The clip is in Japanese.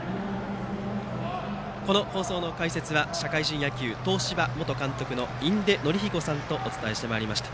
この放送の解説は社会人野球東芝元監督の印出順彦さんとお伝えしてまいりました。